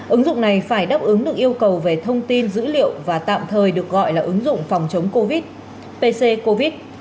ứng dụng này phải đáp ứng được yêu cầu về thông tin dữ liệu và tạm thời được gọi là ứng dụng phòng chống covid